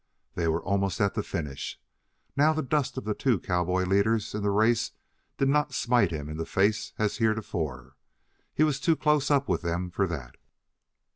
They were almost at the finish. Now the dust of the two cowboy leaders in the race did not smite him in the face as heretofore. He was too close up with them for that.